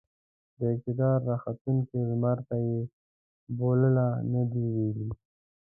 د اقتدار راختونکي لمرته يې بولـله نه ده ويلې.